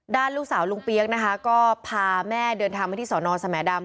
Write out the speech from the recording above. ลูกสาวลุงเปี๊ยกนะคะก็พาแม่เดินทางมาที่สอนอสแหมดำ